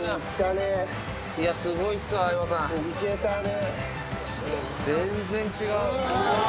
いけたね。